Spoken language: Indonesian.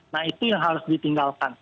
nah itu yang harus ditinggalkan